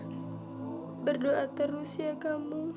saya berdoa terus ya